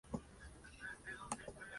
Espontáneamente ella dijo "¡Si!".